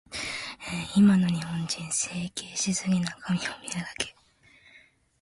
今の日本人、整形しすぎ。中身を磨け。